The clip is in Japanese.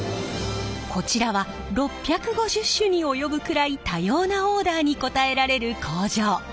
こちらは６５０種に及ぶくらい多様なオーダーに応えられる工場。